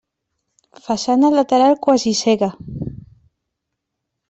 Façana lateral quasi cega.